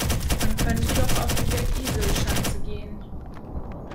Man könnte doch auf die Bergiselschanze gehen.